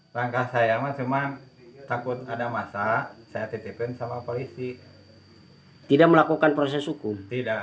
langkah saya cuma takut ada masa saya titipin sama polisi tidak melakukan proses hukum